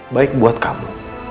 baik buat kamu